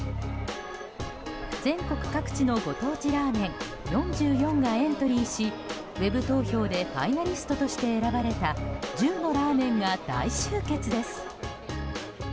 全国各地のご当地ラーメン４４がエントリーしウェブ投票でファイナリストとして選ばれた１０のラーメンが大集結です。